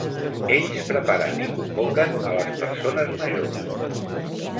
Ells preparen i convoquen a les persones majors.